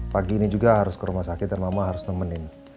pagi ini juga harus ke rumah sakit dan mama harus nemenin